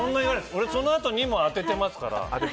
俺、そのあと２問当ててますから。